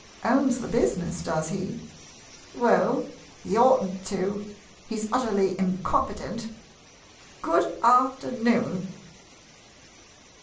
Owns the business, does he ? Well, he ought n't to — he 's utterly incompetent! Good afternoon.